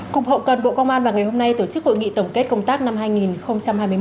cục hậu cần bộ công an vào ngày hôm nay tổ chức hội nghị tổng kết công tác năm hai nghìn hai mươi một